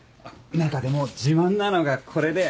中でも自慢なのがこれで。